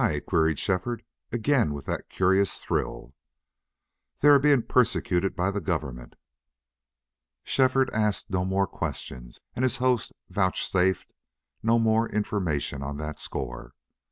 queried Shefford, again with that curious thrill. "They are being persecuted by the government." Shefford asked no more questions and his host vouchsafed no more information on that score.